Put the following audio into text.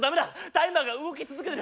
タイマーが動き続けてる。